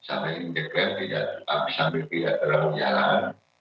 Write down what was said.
sambil tidak berlangsung jalan